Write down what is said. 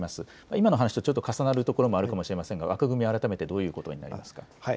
今の話とちょっと重なるところもあるかもしれませんが枠組み、改めてどういうことになりますか。